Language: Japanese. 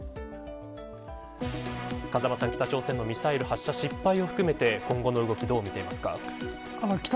風間さん、北朝鮮のミサイル発射失敗を含めて今後の動き、どう見ていますか。